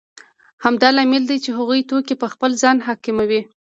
همدا لامل دی چې هغوی توکي په خپل ځان حاکموي